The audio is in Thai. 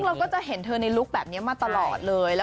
เราก็จะเห็นเธอในลุคแบบนี้มาตลอดเลย